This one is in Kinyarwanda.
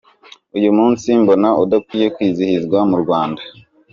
Uyu munsi mbona udakwiye kwizihizwa mu Rwanda.